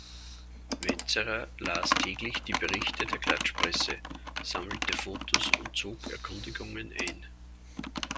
Vetsera las täglich die Berichte der Klatschpresse, sammelte Fotos und zog Erkundigungen ein.